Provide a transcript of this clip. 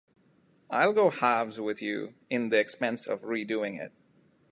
I'll go halves with you in the expense of redoing it.